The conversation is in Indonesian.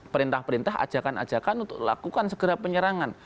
perintah perintah ajakan ajakan untuk lakukan segera penyerangan